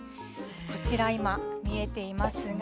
こちら今、見えていますが。